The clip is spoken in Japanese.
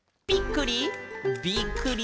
「びっくり！